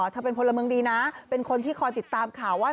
เธอเป็นพลเมืองดีนะเป็นคนที่คอยติดตามข่าวว่า